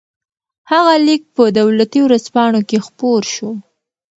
هغه لیک په دولتي ورځپاڼو کې خپور شو.